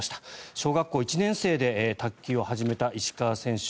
小学校１年生で卓球を始めた石川選手。